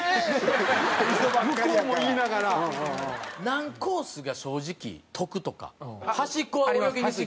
何コースが正直得とか端っこは泳ぎにくいとか。